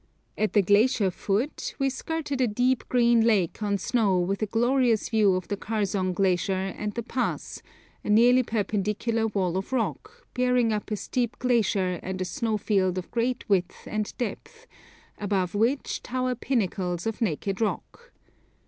At the glacier foot we skirted a deep green lake on snow with a glorious view of the Kharzong glacier and the pass, a nearly perpendicular wall of rock, bearing up a steep glacier and a snowfield of great width and depth, above which tower pinnacles of naked rock.